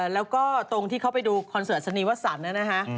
แล้วก็ตรงที่เขาไปดูคอนเสิร์ตสนีวสันนะฮะ